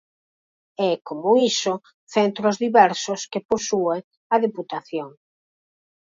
E, como iso, centros diversos que posúe a Deputación.